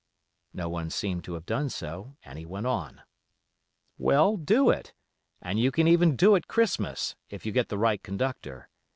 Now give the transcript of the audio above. No one seemed to have done so, and he went on: "Well, do it, and you can even do it Christmas, if you get the right conductor.